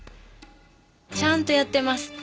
ちゃんとやってます。